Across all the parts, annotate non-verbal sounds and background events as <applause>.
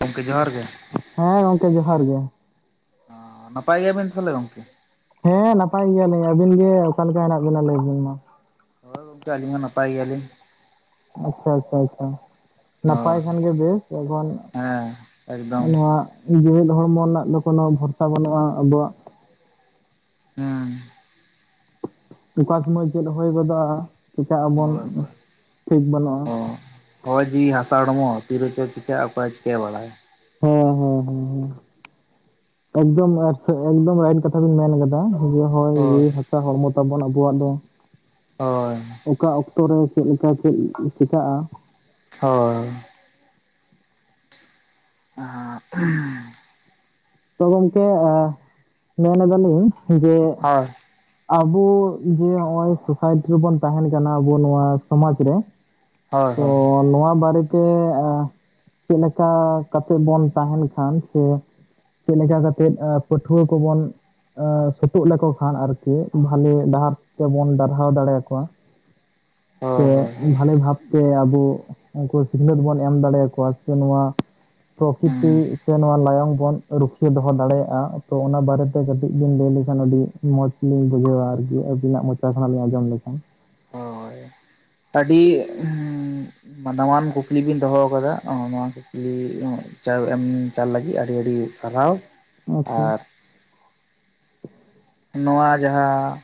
ᱜᱚᱝᱠᱮ ᱡᱚᱦᱟᱨ ᱜᱮ᱾ ᱦᱮᱸ ᱜᱚᱝᱠᱮ ᱡᱚᱦᱟᱨ ᱜᱮ᱾ ᱚᱹᱻ, ᱱᱟᱯᱟᱭ ᱜᱮᱭᱟᱵᱤᱱ ᱛᱟᱦᱚᱞᱮ ᱜᱚᱝᱠᱮ? ᱦᱮᱸ ᱱᱟᱯᱟᱭ ᱜᱮᱭᱟᱞᱤᱧ ᱟᱹᱵᱤᱱ ᱜᱮ ᱚᱠᱟ ᱞᱮᱠᱟ ᱦᱮᱱᱟᱜ ᱵᱤᱱᱟ ᱞᱟᱹᱭ ᱵᱤᱱ ᱢᱟ? ᱦᱳᱭ ᱜᱚᱝᱠᱮ ᱟᱹᱞᱤᱧ ᱦᱚᱸ ᱱᱟᱯᱟᱭ ᱜᱮᱭᱟᱞᱤᱧ᱾ ᱟᱪᱪᱷᱟ ᱟᱪᱪᱷᱟ ᱟᱪᱪᱷᱟ, ᱱᱟᱯᱟᱭ ᱦᱳᱭ ᱠᱷᱟᱱ ᱜᱮ ᱵᱮᱥ <unintelligible> ᱦᱮᱸ ᱮᱠᱫᱚᱢ᱾ ᱡᱮ ᱡᱤᱣᱤᱫ ᱦᱚᱲᱢᱚ ᱨᱮᱱᱟᱜ ᱫᱚ ᱠᱳᱱᱳ ᱵᱷᱚᱨᱥᱟ ᱵᱟᱹᱱᱩᱜ-ᱟ ᱟᱵᱚᱣᱟᱜ᱾ ᱦᱮᱸ᱾ ᱚᱠᱟ ᱥᱚᱢᱚᱭ ᱪᱮᱫ ᱦᱩᱭ ᱜᱚᱫᱚᱜ-ᱟ, ᱪᱤᱠᱟᱹᱜ ᱟᱵᱚᱱ ᱦᱳᱭ ᱦᱳᱭ ᱴᱷᱤᱠ ᱵᱟᱱᱩᱜ-ᱟ᱾ ᱦᱳᱭ ᱦᱚᱭ ᱡᱤᱣᱤ ᱦᱟᱥᱟ ᱦᱚᱲᱢᱚ ᱛᱤᱨᱮ ᱪᱮᱫ ᱪᱤᱠᱟᱹᱜ-ᱟ ᱚᱠᱚᱭ ᱪᱤᱠᱟᱹᱭ ᱵᱟᱲᱟᱭ᱾ ᱦᱮᱸ ᱦᱮᱸ ᱦᱩᱸ ᱦᱩᱸ᱾ ᱮᱠᱫᱚᱢ <inaudible> ᱮᱠᱫᱚᱢ ᱨᱟᱭᱤᱴ ᱠᱟᱛᱷᱟ ᱵᱤᱱ ᱢᱮᱱ ᱟᱠᱟᱫᱟ <inaudible> ᱦᱳᱭ ᱡᱤᱣᱤ ᱦᱟᱥᱟ ᱦᱚᱲᱢᱚ ᱛᱟᱵᱚᱱ ᱟᱵᱚᱣᱟᱜ ᱫᱚ᱾ ᱦᱳᱭ᱾ ᱚᱠᱟ ᱚᱠᱛᱚ ᱨᱮ ᱪᱮᱫ ᱞᱮᱠᱟ ᱪᱮᱫ ᱪᱤᱠᱟᱜ-ᱟ, ᱦᱳᱭ᱾ <inaudible> ᱛᱚ ᱜᱚᱝᱠᱮ ᱟᱸ ᱢᱮᱱᱮᱫᱟᱞᱤᱧ ᱡᱮ ᱦᱳᱭ ᱦᱳᱭ ᱟᱵᱚ ᱡᱮ ᱱᱚᱜ-ᱚᱭ ᱥᱳᱥᱟᱭᱴᱤ ᱨᱮᱵᱚᱱ ᱛᱟᱦᱮᱸᱱ ᱠᱟᱱᱟ ᱟᱵᱚ ᱱᱚᱣᱟ ᱥᱚᱢᱟᱡᱽ ᱨᱮ, ᱦᱳᱭ <unintelligible> ᱱᱚᱣᱟ ᱵᱟᱨᱮᱛᱮ ᱪᱮᱫ ᱞᱮᱠᱟ ᱠᱟᱛᱮᱫ ᱵᱚᱱ ᱛᱟᱦᱮᱸᱱ ᱠᱷᱟᱱ ᱥᱮ ᱪᱮᱫ ᱞᱮᱠᱟ ᱠᱟᱛᱮᱫ ᱯᱟᱹᱴᱷᱩᱣᱟᱹ ᱠᱚᱵᱚᱱ ᱟᱺ ᱥᱳᱛᱳᱜ ᱞᱮᱠᱚ ᱠᱷᱟᱱ ᱟᱨᱠᱤ ᱵᱷᱟᱞᱮ ᱰᱟᱦᱟᱨ ᱛᱮᱵᱚᱱ ᱰᱟᱨᱦᱟᱣ ᱫᱟᱲᱮᱭᱟ ᱠᱚᱣᱟ? ᱥᱮ ᱦᱳᱭ ᱦᱳᱭ ᱦᱳᱭ ᱵᱷᱟᱞᱮ ᱵᱷᱟᱵ ᱥᱮ ᱟᱵᱚ ᱩᱱᱠᱩ ᱥᱤᱠᱷᱱᱟᱹᱛ ᱵᱚᱱ ᱮᱢ ᱫᱟᱲᱮᱭᱟ ᱠᱚᱣᱟ ᱥᱮ ᱱᱚᱣᱟ ᱦᱩᱸ ᱯᱨᱚᱠᱤᱛᱤ ᱥᱮ ᱱᱚᱣᱟ ᱞᱟᱭᱚᱝ ᱵᱚᱱ ᱨᱩᱠᱷᱤᱭᱟᱹ ᱫᱚᱦᱚ ᱫᱟᱲᱮᱭᱟᱜᱼᱟ ᱛᱚ ᱚᱱᱟ ᱵᱟᱨᱮ ᱛᱮ ᱠᱟᱹᱴᱤᱡ ᱵᱤᱱ ᱞᱟᱹᱭ ᱞᱮᱠᱷᱟᱱ ᱟᱹᱰᱤ ᱢᱚᱡᱽ ᱞᱤᱧ ᱵᱩᱡᱷᱟᱹᱣᱟ, ᱟᱨᱠᱤ᱾ ᱟᱵᱤᱱᱟᱜ ᱢᱚᱪᱟ ᱠᱷᱚᱱᱟᱜ ᱞᱤᱧ ᱟᱸᱡᱚᱢ ᱞᱮᱠᱷᱟᱱ᱾ ᱦᱚᱭ ᱟᱹᱰᱤ ᱫᱟᱢᱟᱱ ᱠᱩᱠᱞᱤ ᱵᱤᱱ ᱫᱚᱦᱚ ᱟᱠᱟᱫᱟ ᱱᱚᱣᱟ ᱠᱩᱠᱞᱤ ᱪᱟ ᱮᱢ ᱪᱟᱞ ᱞᱟᱹᱜᱤᱫ ᱟᱹᱰᱤ ᱟᱹᱰᱤ ᱥᱟᱨᱦᱟᱣ ᱾ ᱟᱪᱪᱷᱟ ᱾ ᱱᱚᱣᱟ ᱡᱟᱸᱦᱟᱸ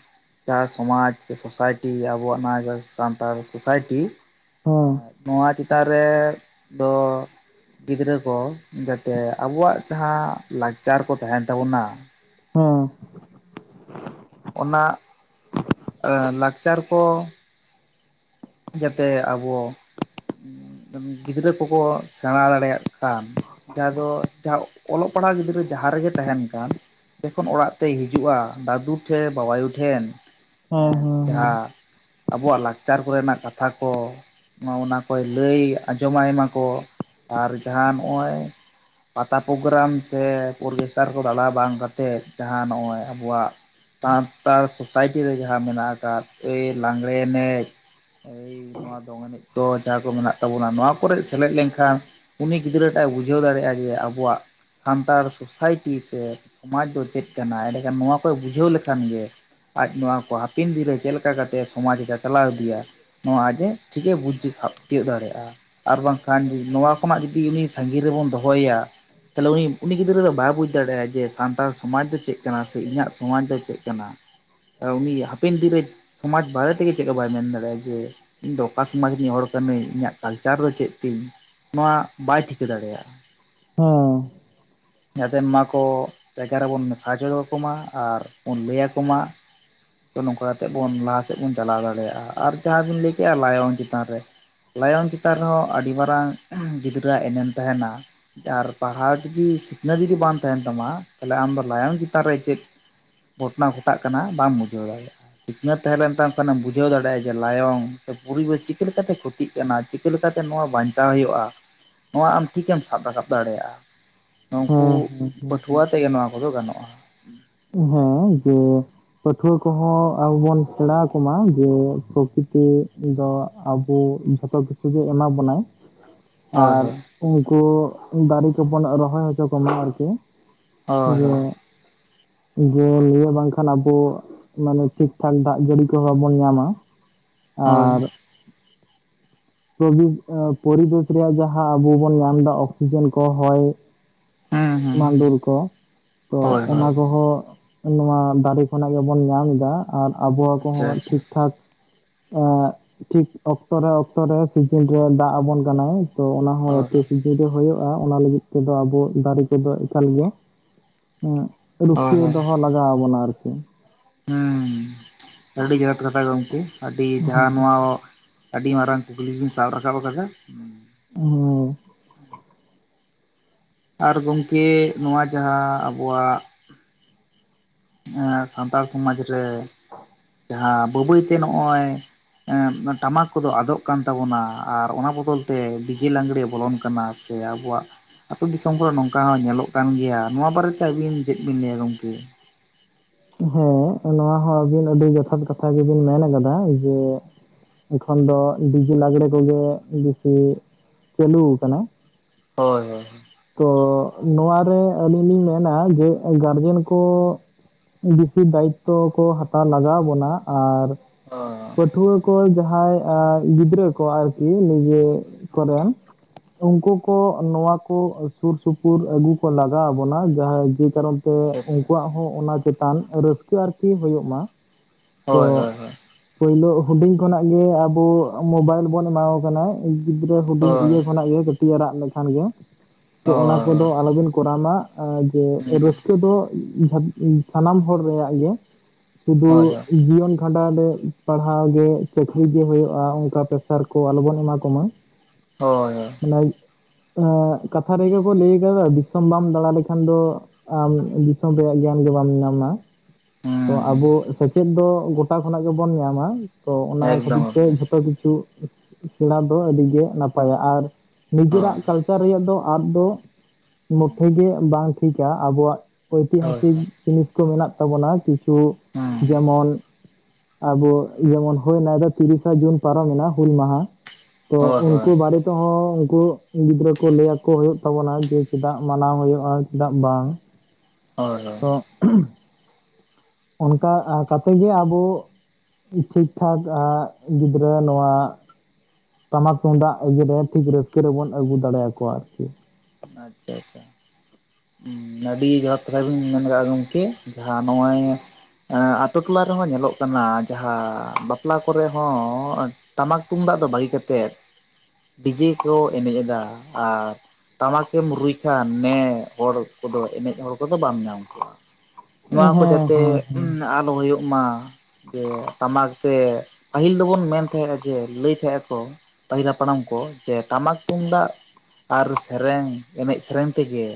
ᱡᱟᱸᱦᱟᱸ ᱥᱚᱢᱟᱡᱽ ᱥᱮ ᱥᱳᱥᱟᱭᱴᱤ ᱟᱵᱚᱣᱟᱜ ᱱᱚᱣᱟ ᱥᱟᱱᱛᱟᱲ ᱥᱳᱥᱟᱭᱴᱤ ᱦᱮᱸ ᱱᱚᱣᱟ ᱪᱮᱛᱟᱱ ᱨᱮ ᱫᱚ ᱜᱤᱫᱽᱨᱟᱹ ᱠᱚ ᱡᱟᱛᱮ ᱟᱵᱚᱭᱟᱜ ᱡᱟᱸᱦᱟᱸ ᱞᱟᱠᱪᱟᱨ ᱠᱚ ᱛᱟᱦᱮᱱ ᱛᱟᱵᱚᱱᱟ᱾ ᱦᱚᱸ᱾ ᱚᱱᱟ ᱞᱟᱠᱪᱟᱨ ᱠᱚ ᱡᱟᱛᱮ ᱟᱵᱚ ᱜᱤᱫᱽᱨᱟᱹ ᱠᱚᱠᱚ ᱥᱮᱬᱟ ᱫᱟᱲᱮᱭᱟᱜ, ᱠᱟᱱ, ᱡᱟᱸᱦᱟᱸ ᱫᱚ ᱡᱟᱸᱦᱟᱸ ᱚᱞᱚᱜ ᱯᱟᱲᱦᱟᱣ ᱜᱤᱫᱽᱨᱟᱹ ᱡᱟᱸᱦᱟᱸ ᱨᱮᱜᱮ ᱛᱟᱦᱮᱱ ᱠᱟᱱ᱾ ᱡᱚᱠᱷᱚᱱ ᱚᱲᱟᱜ ᱛᱮᱭ ᱦᱤᱡᱩᱜᱼᱟ, ᱫᱟᱫᱩ ᱴᱷᱮᱱ ᱵᱟᱵᱟᱭᱩ ᱴᱷᱮᱱ ᱦᱮᱸ ᱦᱮᱸ ᱡᱟᱸᱦᱟᱸ ᱟᱵᱚᱭᱟᱜ ᱞᱟᱠᱪᱟᱨ ᱠᱚ ᱨᱮᱱᱟᱜ ᱠᱟᱛᱷᱟ ᱠᱚ, ᱚᱱᱟ ᱠᱚᱭ ᱞᱟᱹᱭ ᱟᱸᱡᱚᱢᱟᱭ ᱢᱟᱠᱚ ᱟᱨ ᱡᱟᱸᱦᱟᱸ ᱱᱚᱜᱼᱚᱭ ᱯᱟᱛᱟ ᱯᱨᱳᱜᱨᱟᱢ ᱥᱮ ᱚᱨᱜᱮᱥᱴᱟᱨ ᱠᱚ ᱫᱟᱬᱟ ᱵᱟᱝ ᱠᱟᱛᱮᱫ, ᱡᱟᱸᱦᱟᱸ ᱱᱚᱜᱼᱚᱭ ᱟᱵᱚᱣᱟᱜ ᱥᱟᱱᱛᱟᱲ ᱥᱳᱥᱟᱭᱴᱤ ᱨᱮ ᱡᱟᱦᱟᱸ ᱢᱮᱱᱟᱜ ᱟᱠᱟᱫ, ᱮᱭ ᱞᱟᱜᱽᱲᱮ ᱮᱱᱮᱡ, ᱮᱭ ᱱᱚᱣᱟ ᱫᱚᱝ ᱮᱱᱮᱡ ᱠᱚ ᱡᱟᱸᱦᱟᱸ ᱠᱚ ᱢᱮᱱᱟᱜ ᱛᱟᱵᱚᱱᱟ ᱱᱚᱣᱟ ᱠᱚᱨᱮ ᱥᱮᱞᱮᱫ ᱞᱮᱱᱠᱷᱟᱱ ᱩᱱᱤ ᱜᱤᱫᱽᱨᱟᱹᱴᱟᱜ ᱮ ᱵᱩᱡᱷᱟᱹᱣ ᱫᱟᱲᱮᱭᱟᱜᱼᱟ ᱡᱮ ᱟᱵᱚᱣᱟᱜ ᱥᱟᱱᱛᱟᱲ ᱥᱳᱥᱟᱭᱴᱤ ᱥᱮ ᱥᱚᱢᱟᱡᱽ ᱫᱚ ᱪᱮᱫ ᱠᱟᱱᱟ? ᱮᱰᱮᱠᱷᱟᱱ ᱱᱚᱣᱟ ᱠᱚ ᱵᱩᱡᱷᱟᱹᱣ ᱞᱮᱠᱷᱟᱱ ᱜᱮ ᱟᱡ ᱱᱚᱣᱟ ᱠᱚ ᱦᱟᱯᱮᱱ ᱫᱤᱱ ᱨᱮ ᱪᱮᱫ ᱞᱮᱠᱟ ᱠᱟᱛᱮᱫ ᱥᱚᱢᱟᱡᱽᱮ ᱪᱟᱪᱞᱟᱣ ᱤᱫᱤᱭᱟ? ᱱᱚᱣᱟ ᱟᱡ ᱮ ᱴᱷᱤᱠᱮ ᱵᱩᱡᱽ ᱥᱟᱵ ᱛᱤᱭᱳᱜ ᱫᱟᱲᱮᱭᱟᱜᱼᱟ ᱾ ᱟᱨ ᱵᱟᱝᱠᱷᱟᱱ ᱱᱚᱣᱟ ᱠᱷᱚᱱᱟᱜ ᱡᱩᱫᱤ ᱩᱱᱤ ᱥᱟᱺᱜᱤᱧ ᱨᱮᱵᱚᱱ ᱫᱚᱦᱚᱭᱟ ᱛᱟᱦᱞᱮ ᱩᱱᱤ, ᱩᱱᱤ ᱜᱤᱫᱽᱨᱟᱹ ᱫᱚ ᱵᱟᱭ ᱵᱩᱡᱽ ᱫᱟᱲᱮᱭᱟᱜᱼᱟ ᱾ ᱡᱮ ᱥᱟᱱᱛᱟᱲ ᱥᱚᱢᱟᱡᱽ ᱫᱚ ᱪᱮᱫ ᱠᱟᱱᱟ ᱥᱮ ᱤᱧᱟᱹᱜ ᱥᱚᱢᱟᱡᱽ ᱫᱚ ᱪᱮᱫ ᱠᱟᱱᱟ ᱾ ᱩᱱᱤ ᱦᱟᱯᱮᱱ ᱫᱤᱱ ᱨᱮ ᱥᱚᱢᱟᱡᱽ ᱵᱟᱨᱮ ᱛᱮᱜᱮ ᱪᱮᱫ ᱦᱚᱸ ᱵᱟᱭ ᱢᱮᱱ ᱫᱟᱲᱮᱭᱟᱜᱼᱟ ᱡᱮ ᱤᱧ ᱫᱚ ᱚᱠᱟ ᱥᱚᱢᱟᱡᱽ ᱨᱮᱧ ᱦᱚᱲ ᱠᱟᱹᱱᱟᱹᱧ, ᱤᱧᱟᱹᱜ ᱠᱟᱞᱪᱟᱨ ᱫᱚ ᱪᱮᱫ ᱛᱤᱧ? ᱱᱚᱣᱟ ᱵᱟᱭ ᱴᱷᱤᱠᱟᱹ ᱫᱟᱲᱮᱭᱟᱜᱼᱟ ᱾ ᱚ ᱡᱟᱛᱮ ᱱᱚᱣᱟ ᱠᱚ ᱡᱟᱭᱜᱟ ᱨᱮᱵᱚᱱ ᱢᱮᱥᱟ ᱦᱚᱪᱚ ᱟᱠᱚᱢᱟ ᱟᱨ ᱵᱚᱱ ᱞᱟᱹᱭ ᱟᱠᱚᱢᱟ᱾ ᱛᱚ ᱱᱚᱝᱠᱟ ᱠᱟᱛᱮᱫ ᱵᱚᱱ ᱞᱟᱦᱟ ᱥᱮᱫ ᱵᱚᱱ ᱪᱟᱞᱟᱣ ᱫᱟᱲᱮᱭᱟᱜᱼᱟ ᱾ ᱟᱨ ᱡᱟᱸᱦᱟᱸ ᱵᱤᱱ ᱞᱟᱹᱭ ᱠᱮᱜᱼᱟ ᱞᱟᱭᱚᱝ ᱪᱮᱛᱟᱱ ᱨᱮ᱾ ᱞᱟᱭᱚᱝ ᱪᱮᱛᱟᱱ ᱨᱮᱦᱚᱸ ᱟᱹᱰᱤ ᱢᱟᱨᱟᱝ ᱜᱤᱫᱽᱨᱟᱹᱣᱟᱜ ᱮᱱᱮᱢ ᱛᱟᱦᱮᱱᱟ ᱾ ᱟᱨ ᱯᱟᱲᱦᱟᱣ ᱡᱚᱫᱤ ᱥᱤᱠᱷᱱᱟᱹᱛ ᱡᱚᱫᱤ ᱵᱟᱝ ᱛᱟᱦᱮᱱ ᱛᱟᱢᱟ, ᱛᱟᱦᱞᱮ ᱟᱢᱫᱚ ᱞᱟᱭᱚᱝ ᱪᱮᱛᱟᱱ ᱨᱮ ᱪᱮᱫ ᱜᱷᱚᱴᱚᱱᱟ ᱜᱷᱚᱴᱟᱜ ᱠᱟᱱᱟ ᱵᱟᱢ ᱵᱩᱡᱷᱟᱹᱣ ᱫᱟᱲᱮᱭᱟᱜᱼᱟ? ᱥᱤᱠᱷᱱᱟᱹᱛ ᱛᱟᱦᱮᱸ ᱞᱮᱱ ᱛᱟᱢ ᱠᱷᱟᱱᱮᱢ ᱵᱩᱡᱷᱟᱹᱣ ᱫᱟᱲᱮᱭᱟᱜᱼᱟ ᱡᱮ ᱞᱟᱭᱚᱝ ᱥᱮ ᱯᱚᱨᱤᱵᱮᱥ ᱪᱤᱠᱟᱹ ᱞᱮᱠᱟᱛᱮ ᱠᱷᱚᱛᱤᱜ ᱠᱟᱱᱟ, ᱪᱤᱠᱟᱹ ᱞᱮᱠᱟᱛᱮ ᱱᱚᱣᱟ ᱵᱟᱧᱪᱟᱣ ᱦᱩᱭᱩᱜᱼᱟ? ᱱᱚᱣᱟ ᱟᱢ ᱴᱷᱤᱠᱮᱢ ᱥᱟᱵ ᱨᱟᱠᱟᱵ ᱫᱟᱲᱮᱭᱟᱜᱼᱟ, ᱱᱩᱝᱠᱩ ᱦᱮᱸ ᱦᱮᱸ ᱯᱟᱹᱴᱷᱩᱣᱟᱹ ᱟᱛᱮ ᱜᱮ ᱱᱚᱣᱟ ᱠᱚᱫᱚ ᱜᱟᱱᱚᱜᱼᱟ ᱾ ᱦᱮᱸ, ᱡᱮ ᱯᱟᱹᱴᱷᱩᱣᱟᱹ ᱠᱚᱦᱚᱸ ᱟᱵᱚ ᱵᱚᱱ ᱥᱮᱬᱟ ᱟᱠᱚᱢᱟ ᱡᱮ ᱯᱨᱚᱠᱤᱛᱤ ᱫᱚ ᱟᱵᱚ ᱡᱚᱛᱚ ᱠᱤᱪᱷᱩ ᱜᱮ ᱮᱢᱟ ᱵᱚᱱᱟᱭ ᱾ ᱦᱳᱭ ᱟᱨ ᱦᱳᱭ ᱩᱱᱠᱩ ᱫᱟᱨᱮ ᱠᱚᱵᱚᱱ ᱨᱚᱦᱚᱭ ᱦᱚᱪᱚ ᱠᱚᱢᱟ ᱟᱨᱠᱤ᱾ ᱦᱳᱭ ᱡᱮ ᱦᱳᱭ᱾ ᱡᱮ ᱞᱟᱹᱭᱟ ᱵᱟᱝᱠᱷᱟᱱ ᱟᱵᱚᱼᱼ ᱢᱟᱱᱮ ᱴᱷᱤᱠᱴᱷᱟᱠ ᱫᱟᱜ ᱡᱟᱹᱲᱤ ᱠᱚᱦᱚᱸ ᱵᱟᱵᱚᱱ ᱧᱟᱢᱟ ᱦᱳᱭ ᱟᱨᱼᱼ ᱯᱚᱨᱤᱵᱮᱥ ᱨᱮᱭᱟᱜ ᱡᱟᱦᱟᱸ ᱟᱵᱚ ᱵᱚᱱ ᱧᱟᱢ ᱮᱫᱟ ᱚᱠᱥᱤᱡᱮᱱ ᱠᱚ ᱦᱚᱭ ᱦᱩᱸ ᱦᱩᱸ ᱮᱢᱟᱰᱮᱞ ᱠᱚ ᱛᱚ ᱦᱳᱭ ᱦᱳᱭ ᱚᱱᱟ ᱠᱚᱦᱚᱸᱼᱼ ᱱᱚᱣᱟ ᱫᱟᱨᱮ ᱠᱷᱚᱱᱟᱜ ᱜᱮᱵᱚᱱ ᱧᱟᱢ ᱮᱫᱟ ᱟᱨ ᱟᱵᱚ ᱟᱠ ᱟᱪᱪᱷᱟ ᱠᱚᱦᱚᱸ ᱟᱪᱪᱷᱟ ᱴᱷᱤᱠ ᱴᱷᱟᱠᱼᱼ ᱮ ᱴᱷᱤᱠ ᱚᱠᱛᱚ ᱨᱮ ᱚᱠᱛᱚ ᱨᱮ ᱥᱤᱡᱤᱱ ᱨᱮ ᱫᱟᱜ ᱟᱵᱚᱱ ᱠᱟᱱᱟᱭ᱾ ᱛᱚ ᱚᱱᱟ ᱦᱚᱸᱚᱸ ᱡ ᱦᱳᱭ ᱛᱮ ᱦᱳᱭ ᱠᱤᱡᱩ ᱨᱮ ᱦᱩᱭᱩᱜᱼᱟ ᱚᱱᱟ ᱞᱟᱹᱜᱤᱫ ᱛᱮᱫᱚ ᱟᱵᱚ ᱫᱟᱨᱮ ᱠᱚᱫᱚ ᱮᱠᱟᱞ ᱜᱮ᱾ ᱦᱸ ᱦᱳᱭ ᱨᱩᱠᱷᱤᱭᱟᱹ ᱫᱚᱦᱚ ᱞᱟᱜᱟᱣ ᱟᱵᱚᱱᱟ ᱟᱨᱠᱤ ᱾ ᱦᱮᱸ ᱟᱹᱰᱤ ᱡᱛ ᱠᱟᱛᱷᱟ ᱜᱚᱢᱠᱮ ᱟᱹᱰᱤ ᱡᱟᱦᱟᱸ ᱦᱮᱸ ᱱᱚᱣᱟ᱾ ᱟᱹᱰᱤ ᱢᱟᱨᱟᱝ ᱠᱩᱠᱞᱤ ᱵᱤᱱ ᱥᱟᱵ ᱨᱟᱠᱟᱵ ᱟᱠᱟᱫᱟ᱾ ᱦᱚ᱾ ᱟᱨ ᱜᱚᱢᱠᱮ ᱱᱚᱣᱟ ᱡᱟᱦᱟᱸ ᱟᱵᱚᱣᱟᱜᱼᱼ ᱥᱟᱱᱛᱟᱲ ᱥᱚᱢᱟᱡᱽ ᱨᱮ ᱡᱟᱦᱟᱸ ᱵᱟᱹᱭ ᱵᱟᱹᱭ ᱛᱮ ᱱᱚᱜᱼᱚᱭ᱾ ᱴᱟᱢᱟᱠ ᱠᱚᱫᱚ ᱟᱫᱚᱜ ᱠᱟᱱ ᱛᱟᱵᱚᱱᱟ ᱟᱨ ᱚᱱᱟ ᱵᱚᱫᱚᱞ ᱛᱮ ᱰᱤᱡᱮ ᱞᱟᱜᱽᱲᱮ ᱵᱚᱞᱚᱱ ᱠᱟᱱᱟ ᱥᱮᱼᱼ ᱥᱮ ᱟᱵᱚᱣᱟᱜ᱾ ᱟᱹᱛᱩᱳ ᱫᱤᱥᱚᱢ ᱠᱚᱨᱮ ᱱᱚᱝᱠᱟ ᱦᱚᱸ ᱧᱮᱞᱚᱜ ᱠᱟᱱ ᱜᱮᱭᱟ ᱱᱚᱣᱟ ᱵᱟᱨᱮ ᱛᱮ ᱟᱹᱵᱤᱱ ᱪᱮᱫ ᱵᱤᱱ ᱞᱟᱹᱭᱟ ᱜᱚᱝᱠᱮ? ᱦᱮᱸ ᱱᱚᱣᱟ ᱦᱚᱸ ᱟᱵᱤᱱ ᱟᱹᱰᱤ ᱡᱚᱛᱷᱟᱛ ᱠᱟᱛᱷᱟ ᱜᱮᱵᱤᱱ ᱢᱮᱱ ᱟᱠᱟᱫᱟ ᱡᱮᱼᱼ ᱮᱠᱷᱚᱱ ᱫᱚ ᱰᱤᱡᱮ ᱞᱟᱜᱽᱲᱮ ᱠᱚᱜᱮ ᱵᱮᱥᱤ ᱪᱟᱹᱟᱞᱩ ᱟᱠᱟᱱᱟ᱾ ᱦᱳᱭ ᱦᱳᱭ᱾ ᱛᱚ ᱱᱚᱣᱟᱨᱮ ᱟᱹᱞᱤᱧ ᱞᱤᱧ ᱢᱮᱱᱟ ᱡᱮ ᱜᱟᱨᱡᱮᱱ ᱠᱚᱼᱼ ᱵᱮᱥᱤ ᱫᱟᱭᱤᱛᱚ ᱠᱚ ᱦᱟᱛᱟᱣ ᱞᱟᱜᱟᱣ ᱵᱚᱱᱟ ᱟᱨ ᱦᱳᱭ ᱯᱟᱹᱴᱷᱩᱣᱟᱹ᱾ ᱠᱚ ᱡᱟᱦᱟᱸᱭ ᱟ ᱜᱤᱫᱽᱨᱟᱹ ᱠᱚ ᱟᱨᱠᱤ ᱱᱤᱡᱮ ᱠᱚᱨᱮᱱ᱾ ᱩᱱᱠᱩ ᱠᱚ ᱱᱚᱣᱟᱼᱼ ᱥᱩᱨ ᱥᱩᱯᱩᱨ ᱟᱹᱜᱩ ᱠᱚ ᱞᱟᱜᱟᱣ ᱟᱵᱚᱱᱟ ᱡᱟᱦᱟᱸ ᱡᱮ ᱠᱟᱨᱚᱱ ᱛᱮ ᱟᱪᱪᱷᱟ ᱟᱪᱪᱷᱟ ᱩᱱᱠᱩᱣᱟᱜ ᱦᱚᱸ ᱚᱱᱟᱼᱼ ᱪᱮᱛᱟᱱ ᱨᱟᱹᱥᱠᱟᱹ ᱟᱨᱠᱤ ᱦᱩᱭᱩᱜ ᱢᱟ ᱛᱚ ᱦᱳᱭ ᱦᱳᱭ ᱦᱳᱭ ᱾ ᱯᱳᱭᱞᱳ ᱦᱩᱰᱤᱧ ᱠᱷᱚᱱᱟᱜ ᱜᱮ ᱟᱵᱚ ᱢᱳᱵᱟᱭᱤᱞ ᱵᱚᱱ ᱮᱢᱟ ᱠᱚ ᱠᱟᱱᱟ᱾ ᱜᱤᱫᱽᱨᱟᱹ ᱦᱩᱰᱤᱧ ᱦᱳᱭ ᱤᱭᱟᱹ ᱠᱷᱚᱱᱟᱜ ᱜᱮ ᱠᱟᱹᱴᱤᱡ ᱟᱲᱟᱜ ᱞᱮᱠᱷᱟᱱ ᱜᱮ ᱛᱚ ᱚᱱᱟᱼᱼ ᱠᱚᱫᱚ ᱦᱳᱭ ᱟᱞᱚᱵᱤᱱ ᱠᱚᱨᱟᱣ ᱢᱟ ᱡᱮ ᱦᱩᱸ ᱨᱟᱹᱥᱠᱟᱹ ᱫᱚ ᱥᱟᱱᱟᱢ ᱦᱚᱲ ᱨᱮᱭᱟᱜ ᱜᱮ᱾ ᱥᱩᱫᱩ ᱦᱳᱭ ᱦᱳᱭ ᱡᱤᱭᱚᱱᱼᱼ ᱠᱷᱰᱟ ᱨᱮ ᱯᱟᱲᱦᱟᱣ ᱜᱮ ᱪᱟᱹᱠᱨᱤ ᱜᱮ ᱦᱩᱭᱩᱜᱼᱟ ᱚᱱᱠᱟ ᱯᱮᱥᱟᱨ ᱠᱚ ᱟᱞᱚᱵᱚᱱ ᱮᱢᱟ ᱠᱚᱢᱟ᱾ ᱦᱳᱭᱳᱭ ᱾ ᱞᱟᱭ ᱟ ᱠᱟᱛᱷᱟ ᱨᱮᱜᱮ ᱠᱚ ᱞᱟᱹᱭ ᱟᱠᱟᱫᱟ ᱫᱤᱥᱚᱢ ᱵᱟᱢ ᱫᱟᱬᱟ ᱞᱮᱠᱷᱟᱱ ᱫᱚ᱾ ᱟᱢ ᱫᱤᱥᱚᱢ ᱨᱮᱭᱟᱜ ᱜᱮᱭᱟᱱ ᱜᱮ ᱵᱟᱢ ᱧᱟᱢᱟ᱾ ᱛᱚ ᱦᱩᱸ ᱦᱩᱸ ᱟᱵᱚ ᱥᱮᱪᱮᱫ ᱫᱚ ᱜᱚᱴᱟ ᱠᱷᱚᱱᱟᱜ ᱜᱮᱵᱚᱱ ᱧᱟᱢᱟ᱾ ᱛᱚ ᱚᱱᱟ ᱮᱠᱫᱚᱢ ᱠᱷᱟᱹᱛᱤᱨ ᱛᱮ ᱜᱚᱢᱠᱮ ᱡᱷᱚᱛᱚ ᱠᱤᱪᱷᱩ ᱼᱼ ᱥᱮᱬᱟ ᱫᱚ ᱟᱹᱰᱤᱜᱮ ᱱᱟᱯᱟᱭᱟ ᱟᱨ ᱱᱤᱡᱮᱨᱟᱜ ᱦᱳᱭ ᱠᱟᱞᱪᱟᱨ ᱨᱮᱭᱟᱜ ᱫᱚ ᱟᱫ ᱫᱚ ᱼᱼ ᱢᱩᱴᱷᱮ ᱜᱮ ᱵᱟᱝ ᱴᱷᱤᱠᱟ ᱟᱵᱚᱣᱟᱜ ᱦᱳᱭ ᱳᱭᱛᱤᱦᱟᱥᱤᱠ ᱦᱳᱭ ᱡᱤᱱᱤᱥ ᱠᱚ ᱢᱮᱱᱟᱜ ᱛᱟᱵᱚᱱᱟ᱾ ᱠᱤᱪᱷᱩ ᱦᱩᱸ ᱡᱮᱢᱚᱱ᱾ ᱟᱵᱚ ᱡᱮᱢᱚᱱ ᱦᱩᱭᱮᱱᱟ ᱛᱤᱨᱤᱥᱟ ᱡᱩᱱ ᱯᱟᱨᱚᱢᱮᱱᱟ ᱦᱩᱞ ᱢᱟᱦᱟ ᱛᱚ ᱦᱳᱭ ᱩᱱᱠᱩ ᱦᱳᱭ ᱵᱟᱨᱮᱼᱼ ᱛᱚᱸᱦᱚᱸ ᱩᱱᱠᱩ ᱜᱤᱫᱽᱨᱟᱹ ᱠᱚ ᱞᱟᱹ ᱟᱠᱚ ᱦᱩᱭᱩᱜ ᱛᱟᱵᱚᱱᱟ ᱡᱮ ᱪᱮᱫᱟᱜ ᱢᱟᱱᱟᱣ ᱦᱩᱭᱩᱜᱼᱟ ᱪᱮᱫᱟᱜ ᱵᱟᱝ? ᱦᱳᱭ ᱦᱳᱭ ᱛᱚ ᱚᱱᱠᱟ ᱠᱟᱛᱮᱜ ᱜᱮ ᱟᱵᱚᱼᱼ ᱴᱷᱤᱠ ᱴᱷᱟᱠ ᱜᱤᱫᱽᱨᱟᱹ ᱱᱚᱣᱟ᱾ ᱴᱟᱢᱟ ᱛᱩᱢᱫᱟᱜ ᱮᱜᱮᱨᱮ ᱴᱷᱤᱠ ᱨᱟᱹᱥᱠᱟᱹ ᱨᱮᱵᱚᱱ ᱟᱹᱜᱩ ᱫᱟᱲᱮᱭᱟᱠᱚᱣᱟ ᱟᱨᱠᱤ ᱾ ᱟᱪᱷᱟ ᱪᱷ᱾ ᱟᱹᱰᱤ ᱡᱚᱛ ᱨᱮ ᱵᱤᱱ ᱢᱮᱱ ᱠᱟᱠᱟᱜᱼᱟ ᱜᱚᱢᱠᱮ ᱡᱟᱦᱟᱸ ᱱᱚᱜᱼᱚᱭ ᱾ ᱟᱛᱳ ᱴᱚᱞᱟ ᱨᱮᱦᱚᱸ ᱧᱮᱞᱚᱜ ᱠᱟᱱᱟ ᱡᱟᱦᱟᱸ ᱵᱟᱯᱞᱟ ᱠᱚᱨᱮ ᱦᱚᱸ ᱾ ᱴᱟᱢᱟᱠ ᱛᱩᱢᱫᱟᱜ ᱫᱚ ᱵᱟᱹᱜᱤ ᱠᱟᱛᱮᱫ ᱰᱤᱡᱮ ᱠᱚ ᱮᱱᱮᱡ ᱮᱫᱟ ᱟᱨ ᱾ ᱴᱟᱢᱟᱠ ᱛᱮᱢ ᱨᱩᱭ ᱠᱷᱟᱱ ᱱᱮ ᱦᱚᱲ ᱠᱚᱫᱚ ᱮᱱᱮᱡ ᱦᱚᱲ ᱠᱚᱫᱚ ᱵᱟᱢ ᱧᱟᱢ ᱠᱚᱣᱟ ᱾ ᱦᱮᱸ ᱱᱚᱣᱟ ᱠᱚ ᱦᱮᱸ ᱡᱟᱛᱮ ᱦᱮᱸ ᱟᱞᱚ ᱦᱩᱭᱩᱜ ᱢᱟ ᱾ ᱡᱮ ᱴᱟᱢᱟᱠ ᱛᱮ ᱯᱟᱹᱦᱤᱞ ᱫᱚᱵᱚᱱ ᱢᱮᱱ ᱛᱟᱦᱮᱸᱫᱼᱟ ᱡᱮ ᱞᱟᱹᱭ ᱛᱟᱦᱮᱸᱜ ᱟᱠᱚ ᱾ ᱯᱟᱹᱦᱤᱞᱟ ᱦᱟᱯᱟᱲᱟᱢ ᱠᱚ ᱡᱮ ᱴᱟᱢᱟᱠ ᱛᱩᱢᱫᱟᱜ ᱟᱨ ᱨᱟᱹᱥ ᱾ ᱨᱮᱱ ᱮᱱᱮᱢ ᱥᱮᱨᱮᱧ ᱛᱮᱜᱮ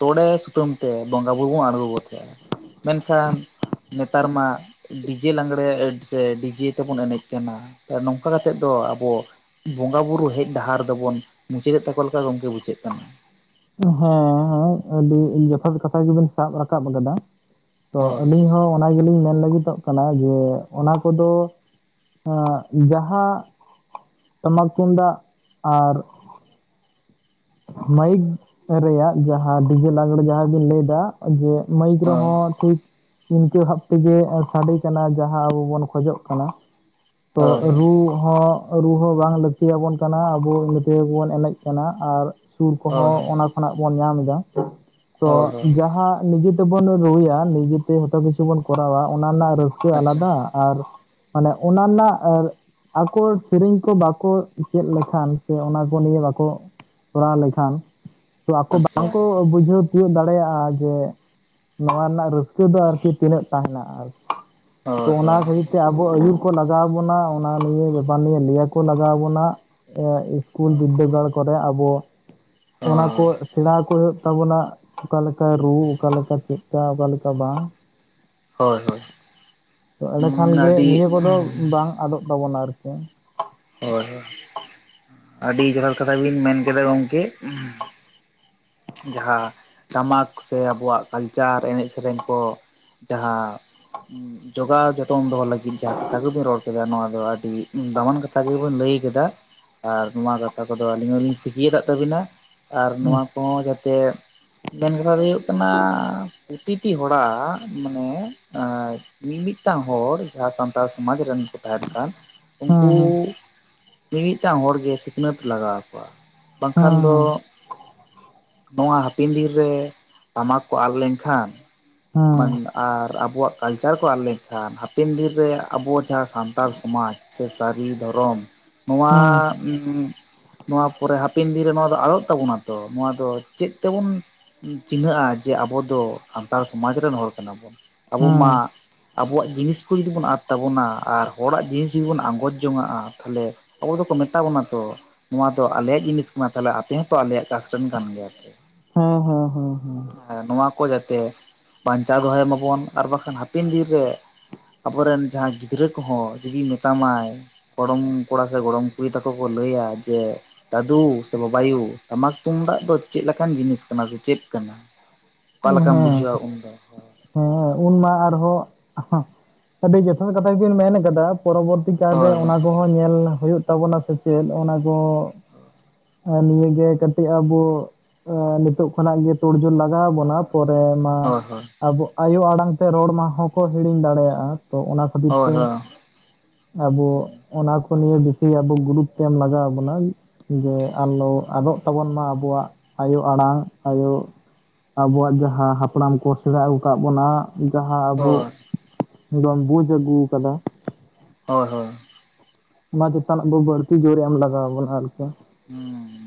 ᱛᱚᱲᱮ ᱥᱩᱛᱟᱹᱢ ᱛᱮ ᱵᱚᱸᱜᱟ ᱵᱳᱩᱨᱩᱳ ᱵᱚᱱ ᱟᱬᱜᱚ ᱜᱚᱫ ᱠᱟᱜᱟ ᱾ ᱢᱮᱱᱠᱷᱟᱱ ᱱᱮᱛᱟᱨ ᱢᱟ ᱾ ᱰᱤᱡᱮ ᱞᱟᱸᱜᱽᱲᱮ ᱥᱮ ᱰᱤᱡᱮ ᱛᱮᱵᱚᱱ ᱮᱱᱮᱡ ᱠᱟᱱᱟ ᱱᱚᱝᱠᱟ ᱠᱟᱛᱮᱜ ᱫᱚ ᱟᱵᱚ ᱾ ᱵᱚᱸᱜᱟ ᱵᱩᱨᱩ ᱦᱮᱡ ᱰᱟᱦᱟᱨ ᱫᱚᱵᱚᱱ ᱢᱩᱪᱟᱹᱫᱮᱜ ᱛᱟᱠᱚ ᱞᱮᱠᱟ ᱜᱚᱝᱠᱮ ᱵᱩᱡᱷᱟᱹᱜ ᱠᱟᱱᱟ᱾ ᱦᱮᱸ ᱦᱚᱭ ᱟᱹᱰᱤ ᱡᱚᱛᱷᱟᱛ ᱠᱟᱛᱷᱟ ᱜᱮᱵᱤᱱ ᱥᱟᱵ ᱨᱟᱠᱟᱵ ᱟᱠᱟᱫᱟ ᱾ ᱛᱚ ᱦᱳᱭ ᱟᱹᱞᱤᱧ ᱦᱚᱸ ᱚᱱᱟ ᱜᱮᱞᱤᱧ ᱢᱮᱱ ᱞᱟᱹᱜᱤᱫᱚᱜ ᱠᱟᱱᱟ ᱡᱮ ᱚᱱᱟ ᱠᱚᱫᱚ ᱟᱹᱜ ᱡᱟᱦᱟᱸ ᱴᱟᱢᱟᱠ ᱛᱩᱢᱫᱟᱜ ᱟᱨ ᱢᱟᱭᱤᱠ ᱨᱮᱭᱟᱜ ᱡᱟᱦᱟᱸ ᱰᱤᱡᱮ ᱞᱟᱜᱽᱲᱮ ᱡᱟᱦᱟᱸ ᱵᱤᱱ ᱞᱟᱹᱭ ᱫᱟ ᱡᱮ ᱢᱟᱹᱭᱤᱠ‌ ᱨᱮ ᱦᱳᱭ ᱦᱚᱸ ᱴᱷᱤᱠ ᱤᱱᱠᱟᱹ ᱵᱷᱟᱵᱽ ᱛᱮᱜᱮ ᱥᱟᱰᱮ ᱠᱟᱱᱟ ᱡᱟᱦᱟᱸ ᱟᱵᱚ ᱵᱚᱱ ᱠᱷᱚᱡᱚᱜ ᱠᱟᱱᱟ ᱛᱚ ᱦᱳᱭ ᱨᱩ ᱦᱚᱸ ᱨᱩ ᱦᱚᱸ ᱵᱟᱝ ᱞᱟᱹᱠᱛᱤ ᱭᱟᱵᱚᱱ ᱠᱟᱱᱟ ᱟᱵᱚ ᱤᱱᱟᱹ ᱛᱮᱜᱮ ᱵᱚᱱ ᱮᱱᱮᱡ ᱠᱟᱱᱟ ᱟᱨ ᱥᱩᱨ ᱠᱩ ᱦᱳᱭ ᱦᱚᱸ ᱚᱱᱟ ᱠᱷᱚᱱᱟᱜ ᱵᱚᱱ ᱧᱟᱢ ᱮᱫᱟ ᱦᱳᱭ ᱛᱚ ᱦᱳᱭ ᱡᱟᱦᱟᱸ ᱱᱤᱡᱮ ᱛᱮᱵᱚᱱ ᱨᱩᱭᱟ ᱱᱤᱡᱮ ᱛᱮ ᱡᱷᱚᱛᱚ ᱠᱤᱪᱷᱩ ᱵᱚᱱ ᱠᱚᱨᱟᱣᱟ ᱚᱱᱟ ᱨᱮᱱᱟᱜ ᱨᱟᱹᱥᱠᱟᱹ ᱟᱪᱪᱷᱟ ᱟᱞᱟᱫᱟ ᱾ ᱟᱨ ᱢᱟᱱᱮ ᱚᱱᱟ ᱨᱮᱱᱟᱜ ᱟᱨ ᱟᱠᱚ ᱥᱤᱨᱤᱧ ᱠᱚ ᱵᱟᱠᱚ ᱪᱮᱜ ᱞᱮᱠᱷᱟᱱ ᱥᱮ ᱚᱱᱟ ᱠᱚ ᱱᱤᱭᱮ ᱵᱟᱠᱚ ᱠᱚᱨᱟᱣ ᱞᱮᱠᱷᱟᱱ ᱛᱚ ᱟᱠᱚ ᱵᱟᱝ ᱟᱪᱪᱷᱟ ᱠᱚ ᱵᱩᱡᱷᱟᱹᱣ ᱛᱤᱭᱟᱹᱜ ᱫᱟᱲᱮᱭᱟᱜ-ᱟ ᱡᱮ ᱱᱚᱣᱟ ᱨᱮᱱᱟᱜ ᱨᱟᱹᱥᱠᱟᱹ ᱫᱚ ᱟᱨ ᱠᱤ ᱛᱤᱱᱟᱹᱜ ᱛᱟᱦᱮᱱᱟ ᱟᱨ ᱠᱤ ᱛᱚ ᱦᱳᱭ ᱚᱱᱟ ᱦᱳᱭ ᱠᱷᱟᱹᱛᱤᱨ ᱛᱮ, ᱵᱚ ᱟᱹᱭᱩᱨ ᱠᱚ ᱞᱟᱜᱟᱣ ᱵᱚᱱᱟ ᱚᱱᱟ ᱱᱤᱭᱮ ᱵᱮᱯᱟᱨ ᱱᱤᱭᱮ ᱞᱟᱹᱭᱟ ᱠᱚ ᱞᱟᱜᱟᱣ ᱵᱚᱱᱟ ᱮᱜ ᱮᱥ ᱠᱩᱞ ᱦᱳᱭ ᱵᱤᱫᱽᱫᱟᱹᱜᱟᱲ ᱠᱚᱨᱮ ᱟᱵᱚ, ᱚᱱᱟ ᱠᱚ ᱥᱮᱬᱟ ᱠᱚ ᱦᱩᱭᱩᱜ ᱛᱟᱵᱚᱱᱟ ᱚᱠᱟ ᱞᱮᱠᱟ ᱨᱩ ᱚᱠᱟ ᱞᱮᱠᱟ ᱪᱮᱜ? ᱠᱟ ᱚᱠᱟ ᱞᱮᱠᱟ ᱵᱟᱝ ᱾ ᱦᱳᱭ ᱦᱳᱭ᱾ ᱛᱚ ᱮᱸᱰᱮ ᱠᱷᱟᱱ ᱜᱮ ᱟᱹᱰᱤ ᱱᱤᱭᱟᱹ ᱠᱩ ᱫᱚ ᱵᱟᱝ ᱟᱫᱚᱜ ᱛᱟᱵᱚᱱᱟ ᱟᱨᱠᱤ ᱾ ᱦᱚᱭ ᱦᱚᱭ ᱟᱰᱤ ᱡᱚᱛᱷᱟᱛ ᱠᱟᱛᱷᱟ ᱵᱤᱱ ᱢᱮᱱ ᱠᱮᱫᱟ ᱜᱚᱝᱠᱮ ᱾ ᱡᱟᱦᱟᱸ ᱴᱟᱢᱟᱠ ᱥᱮ ᱟᱵᱚᱣᱟᱜ ᱠᱟᱞᱪᱟᱨ ᱮᱱᱮᱡ ᱥᱮᱨᱮᱧ ᱠᱚ ᱡᱟᱦᱟᱸ ᱡᱚᱜᱟᱣ ᱡᱚᱛ ᱛᱚᱱ ᱫᱚᱦᱚ ᱞᱟᱹᱜᱤᱫ ᱡᱟᱦᱟᱸ ᱠᱟᱛᱷᱟ ᱜᱤᱵᱮᱱ ᱨᱚᱲ ᱠᱮᱫᱟ ᱱᱚᱣᱟ ᱫᱚ ᱟᱹᱰᱤ ᱫᱟᱢᱟᱱ ᱠᱟᱛᱷᱟ ᱜᱮᱵᱮᱱ ᱞᱟᱹᱭ ᱠᱮᱫᱟ ᱾ ᱟᱨ ᱱᱚᱣᱟ ᱜᱟᱛᱷᱟ ᱠᱚ ᱫᱚ ᱟᱹᱞᱤᱧ ᱦᱚᱸᱞᱤᱧ ᱥᱤᱠᱷᱤᱭᱟᱫᱟᱜ ᱛᱟᱹᱵᱤᱱᱟ ᱟᱨ ᱦᱮᱸ ᱱᱚᱣᱟ ᱠᱚ ᱦᱚᱸ ᱡᱟᱛᱮ ᱢᱮᱱ ᱠᱟᱛᱷᱟ ᱫᱚ ᱦᱩᱭᱩᱜ ᱠᱟᱱᱟ ᱯᱨᱚᱛᱤᱴᱤ ᱦᱚᱲᱟᱜ ᱢᱟᱱᱮ ᱟᱻ, ᱢᱤᱼᱢᱤᱫᱴᱟᱝ ᱦᱚᱲ ᱡᱟᱦᱟᱸ ᱥᱟᱱᱛᱟᱲ ᱥᱚᱢᱟᱡᱽ ᱨᱮᱱ ᱠᱚ ᱛᱟᱦᱮᱱ ᱠᱟᱱ ᱩᱱᱠᱩ ᱦᱮᱸ ᱢᱤᱼᱢᱤᱫᱴᱟᱝ ᱦᱚᱲ ᱜᱮ ᱥᱤᱠᱷᱱᱟᱹᱛ ᱞᱟᱜᱟᱣ ᱠᱚᱣᱟ ᱾ ᱵᱟᱝᱠᱷᱟᱱ ᱫᱚ ᱦᱮᱸ ᱱᱚᱣᱟ ᱦᱟᱯᱤᱱ ᱫᱤᱱ ᱨᱮ ᱴᱟᱢᱟᱠ ᱠᱚ ᱟᱫ ᱞᱮᱱᱠᱷᱟᱱ ᱦᱮᱸ ᱢᱟᱱᱮ ᱟᱨ ᱟᱵᱚᱣᱟᱜ ᱠᱟᱞᱪᱟᱨ ᱠᱚ ᱟᱫ ᱞᱮᱱᱠᱷᱟᱱ, ᱦᱟᱯᱮᱱ ᱫᱤᱱ ᱨᱮ ᱟᱵᱚ ᱡᱟᱦᱟᱸ ᱥᱟᱱᱛᱟᱲ ᱥᱚᱢᱟᱡ ᱥᱮ ᱥᱟᱨᱤ ᱫᱷᱚᱨᱚᱢ ᱱᱚᱣᱟ ᱦᱮᱸ ᱩᱸᱢ ᱱᱚᱣᱟ ᱯᱚᱨᱮ ᱦᱟᱯᱮᱱ ᱫᱤᱱ ᱨᱮ ᱱᱚᱣᱟ ᱫᱚ ᱟᱲᱚᱜ ᱛᱟᱵᱚᱱᱟ ᱛᱚ ᱱᱚᱣᱟ ᱟᱫᱚ ᱪᱮᱫ ᱛᱮᱵᱚᱱ ᱪᱤᱱᱦᱟᱹᱜ-ᱟ ᱡᱮ ᱟᱵᱚ ᱫᱚ ᱥᱟᱱᱛᱟᱲ ᱥᱚᱢᱟᱡᱽ ᱨᱮᱱ ᱦᱚᱲ ᱠᱟᱱᱟ ᱵᱚᱱ ᱾ ᱦᱮᱸ ᱟᱵᱚ ᱢᱟ ᱦᱮᱸ ᱟᱵᱚᱣᱟᱜ ᱡᱤᱱᱤᱥ ᱠᱩ ᱡᱩᱫᱤ ᱵᱚᱱ ᱟᱫ ᱛᱟᱵᱚᱱᱟ ᱟᱨ ᱦᱚᱲᱟᱜ ᱡᱤᱱᱤᱥ ᱡᱩᱫᱤ ᱵᱚᱱ ᱟᱸᱜᱚᱡ ᱡᱚᱝᱟᱜ-ᱟ ᱛᱷᱟᱞᱮᱼᱼ ᱟᱵᱚ ᱫᱚᱠᱚ ᱢᱮᱛᱟ ᱵᱚᱱᱟ ᱛᱚ ᱱᱚᱣᱟ ᱫᱚ ᱟᱞᱮᱭᱟᱜ ᱡᱤᱱᱤᱥ ᱠᱟᱱᱟ ᱛᱷᱟᱞᱮ ᱟᱯᱮ ᱦᱚᱸᱛᱚ ᱟᱞᱮᱭᱟᱜ ᱠᱟᱥ ᱨᱮᱱᱼᱼ ᱠᱟᱱ ᱜᱮᱭᱟ ᱯᱮ ᱾ ᱦᱚᱸ ᱦᱚᱸ ᱦᱚᱸ ᱦᱚᱸ᱾ ᱦᱮᱸ ᱱᱚᱣᱟ ᱠᱚ ᱡᱟᱛᱮ ᱵᱟᱧᱪᱟᱣ ᱫᱚᱦᱚᱭ ᱢᱟᱵᱚᱱ ᱟᱨ ᱵᱟᱠᱷᱟᱱ ᱦᱟᱯᱮᱱ ᱫᱤᱱ ᱨᱮᱼᱼ ᱟᱵᱚ ᱨᱮᱱ ᱡᱟᱦᱟᱸᱭ ᱜᱤᱫᱽᱨᱟᱹ ᱠᱚ ᱦᱚᱸ ᱡᱩᱫᱤᱭ ᱢᱮᱛᱟ ᱢᱟᱭᱼᱼ ᱜᱚᱲᱚᱢ ᱠᱚᱲᱟ ᱥᱮ ᱜᱚᱲᱚᱢ ᱠᱩᱲᱤ ᱛᱟᱠᱚ ᱠᱚ ᱞᱟᱹᱭᱟ ᱡᱮᱼᱼ ᱫᱟᱫᱩ ᱥᱮ ᱵᱟ ᱵᱟᱭᱩ ᱴᱟᱢᱟᱠ ᱛᱩᱢᱫᱟᱜᱼᱼ ᱫᱚ ᱪᱮᱜ ᱞᱮᱠᱟᱱ ᱡᱤᱱᱤᱥ ᱠᱟᱱᱟ ᱥᱮ ᱪᱮᱫ ᱠᱟᱱᱟ ᱚᱠᱟ ᱦᱮᱸ ᱞᱮᱠᱟᱢ ᱦᱮᱸ ᱵᱩᱡᱷᱟᱹᱣᱟ ᱩᱱ ᱫᱚ᱾ ᱦᱮᱸ ᱩᱱ ᱢᱟ ᱟᱨ ᱦᱚᱸ <inaudible> ᱟᱹᱰᱤ ᱡᱚᱛᱷᱟᱛ ᱠᱟᱛᱷᱟ ᱜᱮᱵᱤᱱ ᱢᱮᱱ ᱠᱟᱫᱟ ᱯᱚᱨᱚᱵᱚᱨᱼᱼ ᱛᱤ ᱠᱟᱨ ᱨᱮ ᱦᱳᱭ ᱚᱱᱟ ᱠᱚ ᱦᱚᱸ ᱧᱮᱞ ᱦᱳᱭᱳᱜ ᱛᱟᱵᱚᱱᱟ ᱥᱮ ᱪᱮᱫ ᱚᱱᱟ ᱠᱚ ᱦᱮᱸ ᱱᱤᱭᱟᱹ ᱜᱮ ᱠᱟᱹᱴᱤᱡ ᱟᱵᱚ ᱚᱻ ᱱᱤᱛᱚᱜ ᱠᱷᱚᱱᱟᱜ ᱜᱮ ᱛᱳᱲᱼᱡᱳᱲ ᱞᱟᱜᱼᱼ ᱜᱟᱣ ᱵᱚᱱᱟ ᱯᱚᱨᱮ ᱢᱟ᱾ ᱦᱳᱭ ᱦᱳᱭ ᱟᱵᱚ ᱟᱭᱳ ᱟᱲᱟᱝ ᱛᱮ ᱨᱚᱲ ᱢᱟ ᱦᱚᱸ ᱠᱚ ᱦᱤᱲᱤᱧ ᱫᱟᱲᱮᱭᱟᱜ-ᱟ ᱛᱚ ᱚᱱᱟ ᱠᱷᱟᱹᱛᱤᱨ ᱦᱳᱭ ᱛᱮᱼᱼ ᱟᱵᱚ ᱚᱱᱟ ᱠᱚ ᱱᱤᱭᱮ ᱵᱤᱥᱤ ᱟᱵᱚ ᱜᱩᱨᱩᱛᱳ ᱛᱮᱢ ᱞᱟᱜᱟᱣ ᱵᱚᱱᱟ᱾ ᱡᱮ ᱟᱞᱚ ᱟᱫᱚᱜ ᱛᱟᱵᱚᱱ ᱢᱟ ᱟᱵᱚᱣᱟᱜ ᱟᱭᱳ ᱟᱲᱟᱝ ᱟᱭᱳ ᱟᱵᱚᱣᱟᱜ ᱡᱟᱦᱟᱸ ᱦᱟᱯᱲᱟᱢ ᱠᱚ ᱥᱮᱬᱟ ᱟᱹᱜᱩ ᱠᱟᱜ ᱵᱚᱱᱟ ᱡᱟᱦᱟᱸ ᱦᱳᱭ ᱟᱵᱩ ᱦᱳᱭ ᱫᱚᱢ ᱵᱩᱡ ᱟᱹᱜᱩ ᱠᱟᱫᱟ ᱾ ᱦᱳᱭ ᱦᱳᱭ, ᱚᱱᱟ ᱪᱮᱛᱟᱱ ᱟᱵᱚ ᱵᱟᱹᱲᱛᱤ ᱡᱳᱨ ᱮᱢ ᱞᱟᱜᱟᱣ ᱵᱚᱱᱟ ᱟᱨᱠᱤ ᱾ ᱦᱩᱸ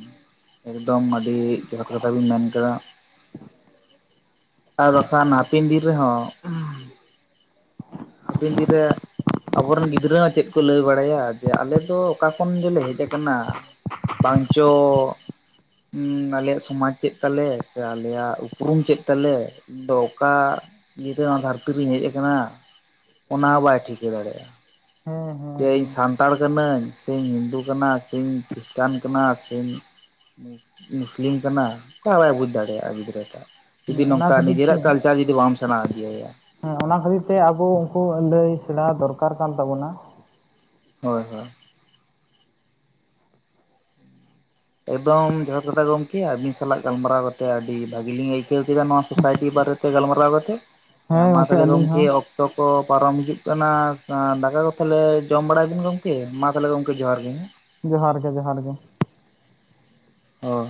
ᱮᱠᱫᱚᱢ ᱟᱹᱰᱤ ᱡᱚᱛᱷᱟᱛ ᱠᱟᱛᱷᱟ ᱵᱤᱱ ᱢᱮᱱ ᱠᱟᱫᱟ ᱾ ᱟᱨ ᱵᱟᱠᱷᱟᱱ ᱦᱟᱯᱮᱱ ᱫᱤᱱ ᱨᱮᱦᱚᱸ <inaudible> ᱦᱟᱯᱮᱱ ᱫᱤᱱ ᱨᱮ ᱟᱵᱚᱨᱮᱱ ᱜᱤᱫᱽᱨᱟᱹ ᱪᱮᱫ ᱠᱚ ᱞᱟᱹᱭ ᱵᱟᱲᱟᱭᱟ ᱡᱮ ᱟᱞᱮ ᱫᱚ ᱚᱠᱟ ᱠᱷᱚᱱ ᱫᱚᱞᱮ ᱦᱮᱡ ᱠᱟᱱᱟ? ᱵᱟᱝᱪᱚ <inaudible> ᱟᱞᱮᱭᱟᱜ ᱥᱚᱢᱟᱡ ᱪᱮᱜ ᱛᱟᱞᱮ ᱥᱮ ᱟᱞᱮᱭᱟᱜ ᱩᱯᱩᱨᱩᱢ ᱪᱮᱜ ᱛᱟᱞᱮ? ᱤᱧ ᱫᱚ ᱚᱠᱟ ᱤᱭᱟᱹ <unintelligible> ᱫᱷᱟᱹᱨᱛᱤ ᱨᱮᱧ ᱦᱮᱡ ᱠᱟᱱᱟ ᱾ ᱚᱱᱟ ᱦᱚᱸ ᱵᱟᱭ ᱴᱷᱤᱠᱟᱹ ᱫᱟᱲᱮᱭᱟᱜᱼᱟ ᱾ ᱦᱮᱸ ᱦᱮᱸ, ᱡᱮ ᱤᱧ ᱦᱮᱸ ᱥᱟᱱᱛᱟᱲ ᱠᱟᱹᱱᱟᱹᱧ ᱥᱮᱧ ᱦᱤᱱᱫᱩ ᱠᱟᱱᱟ ᱥᱮᱧ ᱠᱷᱤᱥᱴᱟᱱ ᱠᱟᱱᱟ ᱥᱮᱧ ᱢᱩᱥ ᱢᱩᱥᱞᱤᱢ ᱠᱟᱱᱟ ᱚᱠᱟ ᱵᱟᱭ ᱵᱩᱡᱽ ᱫᱟᱲᱮᱭᱟᱜᱼᱟ ᱜᱤᱫᱽᱨᱟᱹᱴᱟᱜ ᱾ ᱦᱮᱸ ᱡᱩᱫᱤ ᱚᱱᱟ ᱱᱚᱝᱠᱟ ᱠᱷᱟᱹᱛᱤᱨ ᱛᱮ ᱱᱤᱡᱮᱨᱟᱜ ᱠᱟᱞᱪᱟᱨ ᱡᱩᱫᱤ ᱵᱟᱢ ᱥᱮᱸᱬᱟ ᱤᱫᱤᱟᱭᱟ ᱾ ᱦᱮᱸ ᱚᱱᱟ ᱠᱷᱟᱹᱛᱤᱨ ᱛᱮ ᱟᱵᱚ ᱩᱱᱠᱩ ᱞᱟᱹᱭ ᱥᱮᱬᱟ ᱫᱚᱨᱠᱟᱨ ᱠᱟᱱ ᱛᱟᱵᱚᱱᱟ ᱾ ᱦᱳᱭ ᱦᱳᱭ, ᱮᱠᱫᱚᱢ ᱡᱚᱛᱷᱟᱛ ᱠᱟᱛᱷᱟ ᱜᱚᱢᱠᱮ ᱟᱹᱵᱤᱱ ᱥᱟᱞᱟᱜ ᱜᱟᱞᱢᱟᱨᱟᱣ ᱠᱟᱛᱮ ᱟᱹᱰᱤ ᱵᱷᱟᱹᱜᱤ ᱞᱤᱧ ᱟᱹᱭ ᱠᱟᱹᱣ ᱠᱮᱫᱟ ᱱᱚᱣᱟ ᱥᱳᱥᱟᱭᱴᱤ ᱵᱟᱨᱮᱛᱮ ᱜᱟᱞᱢᱟᱨᱟᱣ ᱠᱟᱛᱮ ᱦᱮᱸ ᱢᱟ ᱛᱟᱞᱮ ᱟᱹᱞᱤᱧ ᱜᱚᱝᱠᱮ ᱦᱚᱸ ᱚᱠᱛᱚ ᱠᱚ ᱯᱟᱨᱚᱢ ᱦᱤᱡᱩᱜ ᱠᱟᱱᱟ ᱥᱟᱹ ᱫᱟᱠᱟ ᱠᱚ ᱛᱷᱟᱞᱮ ᱡᱚᱢ ᱵᱟᱲᱟᱭ ᱵᱤᱱ ᱜᱚᱝᱠᱮ ᱢᱟ ᱛᱟᱞᱦᱮ ᱜᱚᱢᱠᱮ ᱡᱚᱦᱟᱨ ᱜᱮ ᱦᱮᱸ ᱾ ᱡᱚᱦᱟᱨ ᱜᱮ ᱡᱚᱦᱟᱨ ᱜᱮ ᱾ ᱦᱚ,